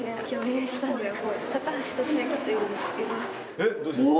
えっどうしました？